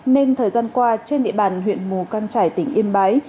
nên thời gian qua trên địa bàn huyện mù căng trải tỉnh yên bái